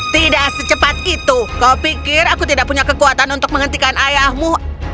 tidak secepat itu kau pikir aku tidak punya kekuatan untuk menghentikan ayahmu